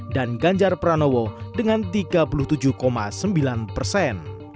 dan ganjar pranowo dengan tiga puluh tujuh sembilan persen